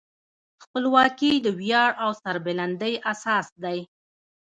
خپلواکي د ویاړ او سربلندۍ اساس دی.